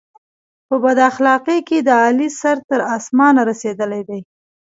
په بد اخلاقی کې د علي سر تر اسمانه رسېدلی دی.